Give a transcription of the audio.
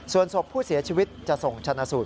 ส่วนศพผู้เสียชีวิตจะส่งชนะสูตร